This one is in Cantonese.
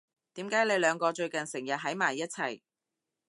點解你兩個最近成日喺埋一齊？